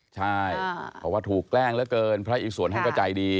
ใช่เพราะว่าถูกแกล้งเหลือเกินพระอิสวนท่านก็ใจดี